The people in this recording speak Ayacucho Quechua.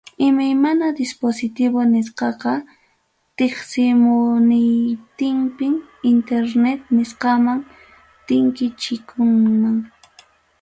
Imay mana dispositivo nisqaqa tiksimuyuntinpim internet nisqaman tinkichikunman.